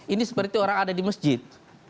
ini seperti orang ada di masjid